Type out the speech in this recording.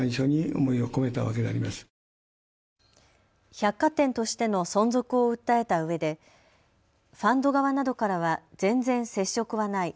百貨店としての存続を訴えたうえでファンド側などからは全然、接触はない。